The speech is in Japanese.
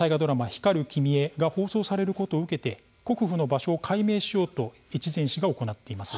「光る君へ」が放送されることを受けて国府の場所を解明しようと越前市が行っています。